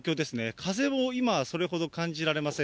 風も今、それほど感じられません。